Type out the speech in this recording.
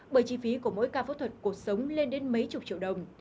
bởi chi phí của mỗi ca phẫu thuật cuộc sống lên đến mấy chục triệu đồng